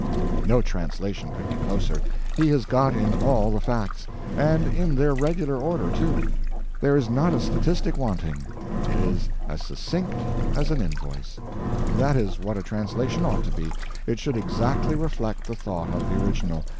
No translation could be closer. He has got in all the facts; and in their regular order, too. There is not a statistic wanting. It is as succinct as an invoice. That is what a translation ought to be; it should exactly reflect the thought of the original.